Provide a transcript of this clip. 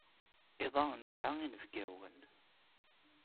Iḍ-a nesɛa inebgawen.